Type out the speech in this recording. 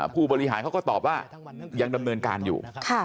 ผู้บริหารเขาก็ตอบว่ายังดำเนินการอยู่